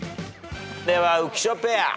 では浮所ペア。